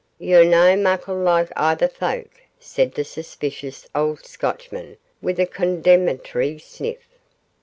'You're no muckle like ither folk,' said the suspicious old Scotchman, with a condemnatory sniff.